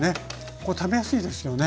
こう食べやすいですよね。